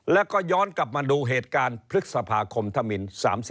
แล้วก็ย้อนกลับมาดูเหตุการณ์พฤษภาคมธมิน๓๔